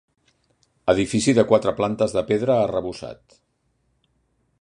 Edifici de quatre plantes de pedra arrebossat.